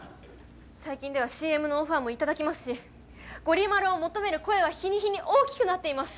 最近ではＣＭのオファーも頂きますしゴリ丸を求める声は日に日に大きくなっています。